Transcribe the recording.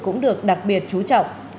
cũng được đặc biệt trú trọng